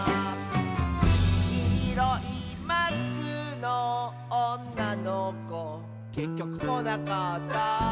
「きいろいマスクのおんなのこ」「けっきょくこなかった」